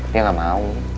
dia gak mau